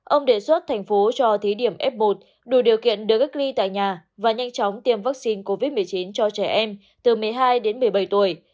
ông đề xuất thành phố cho thí điểm f một đủ điều kiện được cách ly tại nhà và nhanh chóng tiêm vaccine covid một mươi chín cho trẻ em từ một mươi hai đến một mươi bảy tuổi